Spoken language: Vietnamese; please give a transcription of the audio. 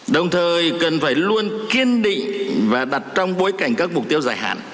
đồng thời cần phải luôn kiên định và đặt trong bối cảnh các mục tiêu dài hạn